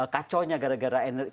kacau nya gara gara energi